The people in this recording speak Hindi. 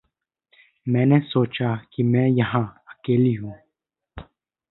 मैने सोचा के मैं यहां अकेली हूं।